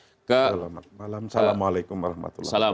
selamat malam assalamualaikum warahmatullahi wabarakatuh